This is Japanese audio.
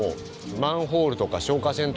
マンホールとか消火栓とかえ